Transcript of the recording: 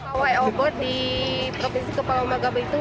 pawai obor di provinsi kepulauan bangka belitung